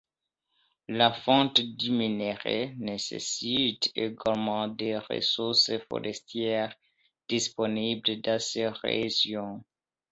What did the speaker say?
La fonte du minérai nécessite également des ressources forestières, disponibles dans ces régions.